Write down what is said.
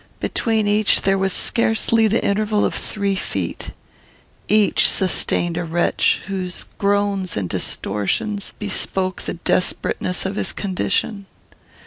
Between each, there was scarcely the interval of three feet. Each sustained a wretch, whose groans and distortions bespoke the desperateness of his condition.